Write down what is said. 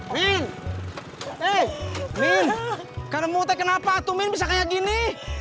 min min karena mutek kenapa tuh bisa kayak gini